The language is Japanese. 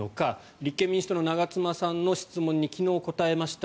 立憲民主党の長妻さんの質問に昨日、答えました。